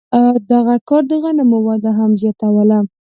دغه کار د غنمو وده هم زیاتوله.